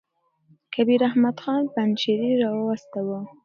کبیر احمد خان پنجشېري را واستاوه.